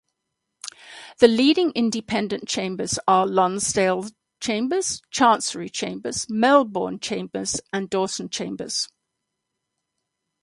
The leading independent chambers are Lonsdale Chambers, Chancery Chambers, Melbourne Chambers and Dawson Chambers.